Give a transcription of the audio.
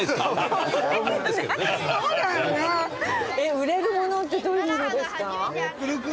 売れるものってどういうものですか？